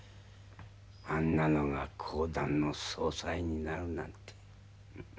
あんなのが公団の総裁になるなんて。